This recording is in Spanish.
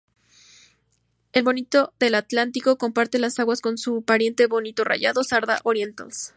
El bonito del Atlántico comparte las aguas con su pariente bonito rayado, "Sarda orientalis".